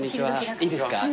いいですか？